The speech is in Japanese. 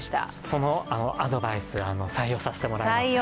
そのアドバイス、採用させてもらいます。